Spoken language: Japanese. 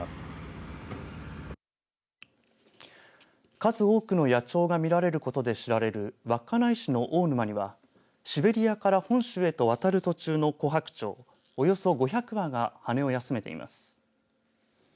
数多くの野鳥が見られることで知られる稚内市の大沼にはシベリアから本州へと渡る途中のコハクチョウおよそ５００羽が羽を休めています。